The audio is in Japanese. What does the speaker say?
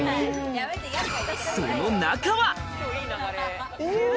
その中は。